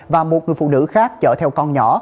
và một người phụ nữ khác chở theo con nhỏ